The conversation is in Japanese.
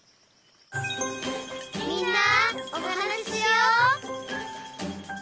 「みんなおはなししよう」